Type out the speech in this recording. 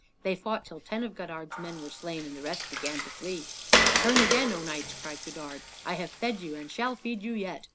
They fought till ten of Godard's men were slain; the rest began to flee. "Turn again, O knights!" cried Godard; "I have fed you and shall feed you yet.